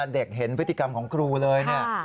เด็กเห็นพฤติกรรมของครูเลย